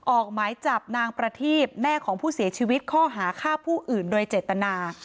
ออกหมายจับนางประทีบแม่ของผู้เสียชีวิตข้อหาฆ่าผู้อื่นโดยเจตนา